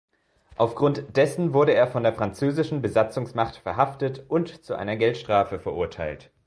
Aufgrund dessen wurde er von der französischen Besatzungsmacht verhaftet und zu einer Geldstrafe verurteilt.